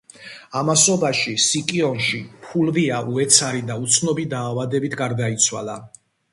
ამასობაში, სიკიონში ფულვია უეცარი და უცნობი დაავადებით გარდაიცვალა.